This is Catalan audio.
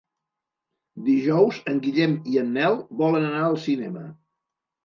Dijous en Guillem i en Nel volen anar al cinema.